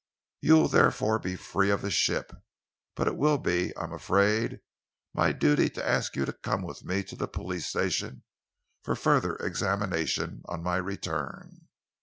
You will therefore be free of the ship, but it will be, I am afraid, my duty to ask you to come with me to the police station for a further examination, on my return."